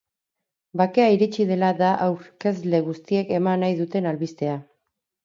Bakea iritsi dela da aurkezle guztiek eman nahi duten albistea.